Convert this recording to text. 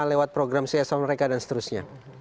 lewat program csm mereka dan seterusnya